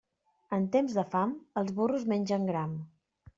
En temps de fam, els burros mengen gram.